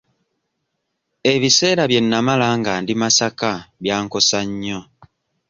Ebiseera bye nnamala nga ndi Masaka byankosa nnyo.